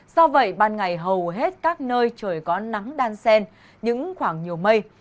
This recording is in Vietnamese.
do vậy ban ngày hầu hết các nơi trời có nắng đan sen những khoảng nhiều mây